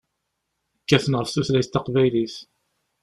Kkaten ɣef tutlayt taqbaylit.